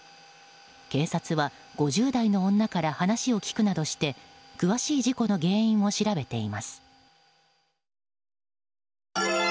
警察は、５０代の女から話を聞くなどして詳しい事故の原因を調べています。